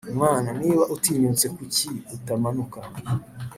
mwana niba utinyutse kuki utamanuka